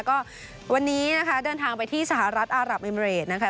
ก็วันนี้นะคะเดินทางไปที่สหรัฐอารับเอมเรดนะคะ